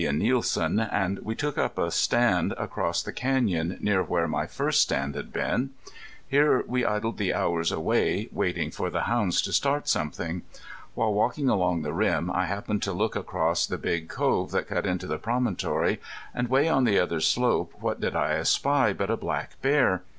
and Nielsen; and we took up a stand across the canyon, near where my first stand had been. Here we idled the hours away waiting for the hounds to start something. While walking along the rim I happened to look across the big cove that cut into the promontory, and way on the other slope what did I espy but a black bear.